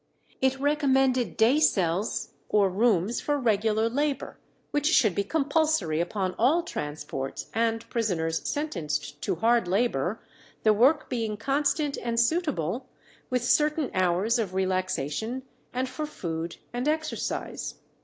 It recommended day cells or rooms for regular labour, which should be compulsory upon all transports and prisoners sentenced to hard labour, the work being constant and suitable, with certain hours of relaxation and for food and exercise.